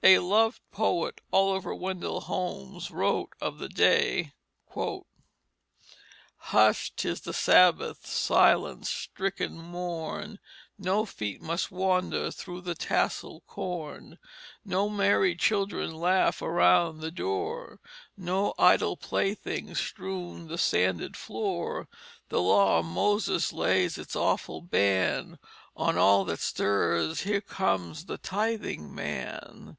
A loved poet, Oliver Wendell Holmes, wrote of the day: "Hush, 'tis the Sabbath's silence stricken morn, No feet must wander through the tasselled corn, No merry children laugh around the door, No idle playthings strew the sanded floor. The law of Moses lays its awful ban On all that stirs. Here comes the Tithing man."